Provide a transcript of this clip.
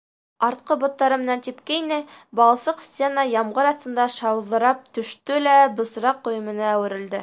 Артҡы боттары менән типкәйне, балсыҡ стена ямғыр аҫтында шауҙырап төштө лә бысраҡ өйөмөнә әүерелде.